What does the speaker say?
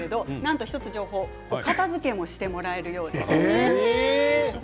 １つ情報お片づけもしてもらえるようです。